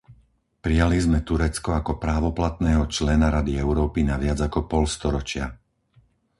Prijali sme Turecko ako právoplatného člena Rady Európy na viac ako pol storočia.